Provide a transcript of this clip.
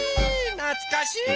なつかしい！